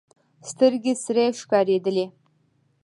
سترګې سرې ښکارېدلې.